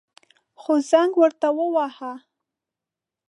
خو زنگ ورته وواهه.